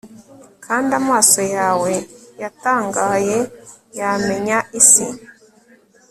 Kandi amaso yawe yatangaye yamenya isi